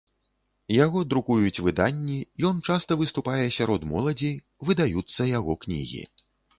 Яго друкуюць выданні, ён часта выступае сярод моладзі, выдаюцца яго кнігі.